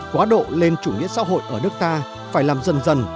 quá độ lên chủ nghĩa xã hội ở nước ta phải làm dần dần